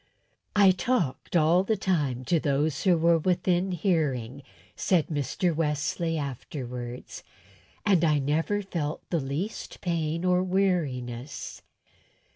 "I talked all the time to those that were within hearing," said Mr. Wesley, afterwards, "and I never felt the least pain or weariness."